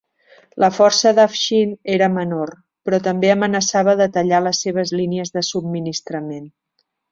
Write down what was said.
La força d'Afshin era menor, però també amenaçava de tallar les seves línies de subministrament.